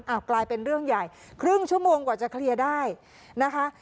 กลายเป็นเรื่องใหญ่ครึ่งชั่วโมงกว่าจะเคลียร์ได้นะคะ